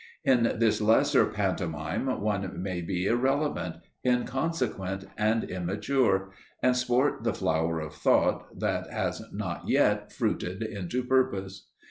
In this lesser pantomime one may be irrelevant, inconsequent and immature, and sport the flower of thought that has not yet fruited into purpose.